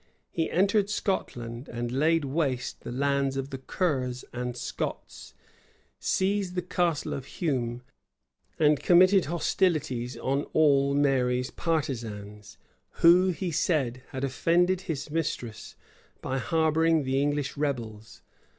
He entered Scotland, and laid waste the lands of the Kers and Scots, seized the Castle of Hume, and committed hostilities on all Mary's partisans, who, he said, had offended his mistress by harboring the English rebels.